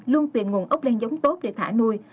luôn tìm nguồn ốc len giống tốt để thả nuôi